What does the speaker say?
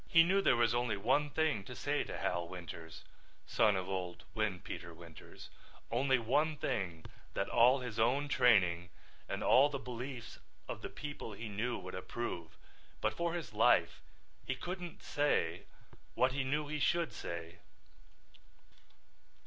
He knew there was only one thing to say to Hal Winters, son of old Windpeter Winters, only one thing that all his own training and all the beliefs of the people he knew would approve, but for his life he couldn't say what he knew he should say.